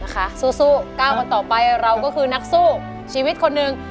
นะคะสู้สู้เก้าวันต่อไปเราก็คือนักสู้ชีวิตคนหนึ่ง